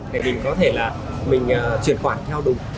để mình có thể là mình chuyển khoản theo đúng